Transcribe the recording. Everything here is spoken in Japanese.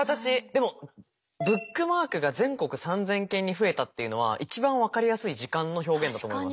でも「ブックマークが全国３，０００件に増えた」っていうのは一番分かりやすい時間の表現だと思います。